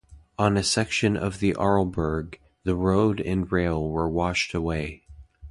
On a section of the Arlberg, the road and rail were washed away.